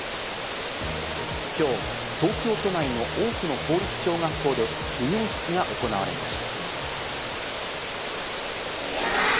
今日、東京都内の多くの公立小学校で始業式が行われました。